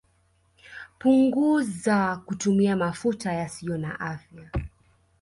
Punguzaa kutumia mafuta yasiyo na afya